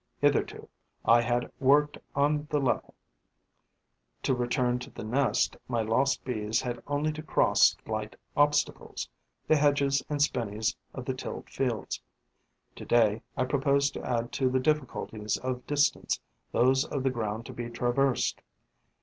Hitherto, I had worked on the level. To return to the nest, my lost Bees had only to cross slight obstacles, the hedges and spinneys of the tilled fields. To day, I propose to add to the difficulties of distance those of the ground to be traversed.